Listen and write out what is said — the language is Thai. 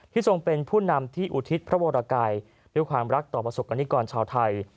ทรงเป็นผู้นำที่อุทิศพระวรกัยด้วยความรักต่อประสบกรณิกรชาวไทย